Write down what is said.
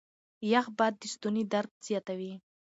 يخ باد د ستوني درد زياتوي.